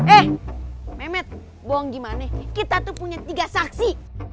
eh memet bohong gimana kita tuh punya tiga saksi